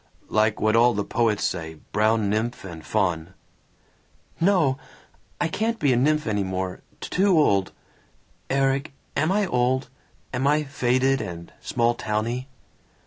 "Like what all the poets say brown nymph and faun." "No. I can't be a nymph any more. Too old Erik, am I old? Am I faded and small towny?"